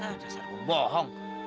ah dasarmu bohong